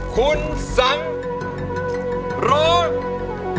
คุณสังร้อง